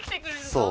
そう。